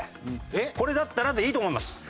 「これだったら」でいいと思います。